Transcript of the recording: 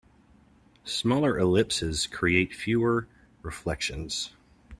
Smaller ellipses create fewer reflections.